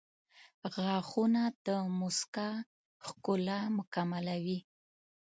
• غاښونه د مسکا ښکلا مکملوي.